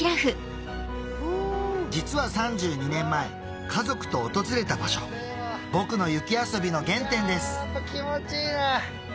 実は３２年前家族と訪れた場所僕の雪遊びの原点です気持ちいいね！